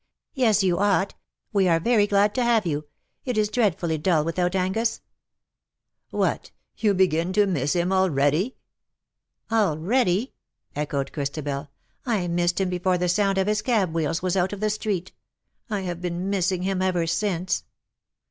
^' Yes you ought ; we are very giad to have you. It is dreadfully dull without Angus.'''' CUPID AND PSYCHE. 203 " What ! YOU begin to miss him already ?"" Already !" echoed Christabel. " I missed him before the sound of his cab wheels was out of the street. I have been missing him ever since."